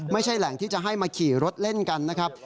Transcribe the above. ไม่ใช่แหล่งที่จะให้มาขี่รถเล่นกันนะครับ